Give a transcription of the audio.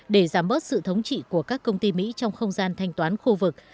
để giảm bớt sự thống trị của các công ty mỹ trong không gian thanh toán khu vực